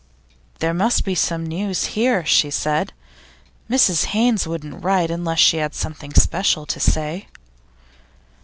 'There must be some news here,' she said. 'Mrs Haynes wouldn't write unless she had something special to say.